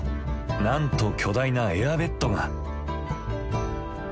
なんと巨大なエアベッドが。